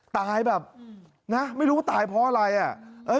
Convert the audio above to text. ตายแบบนะไม่รู้ว่าตายเพราะอะไรอ่ะ